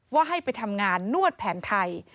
ว่าให้ไปทำงานนวดแผนไทย